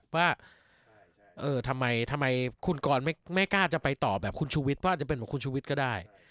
ว่าเออทำไมทำไมคุณกรไม่กล้าจะไปต่อแบบคุณชุวิตว่าจะเป็นของคุณชุวิตก็ได้